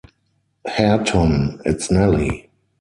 ‘Hareton, it’s Nelly!